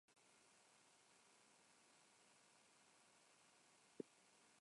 La grupa es blanca.